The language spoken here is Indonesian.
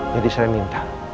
jadi saya minta